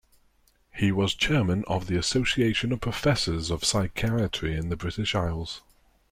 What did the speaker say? He was Chairman of the Association of Professors of Psychiatry in the British Isles.